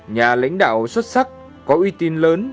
nhà lãnh đạo xuất sắc có uy tín lớn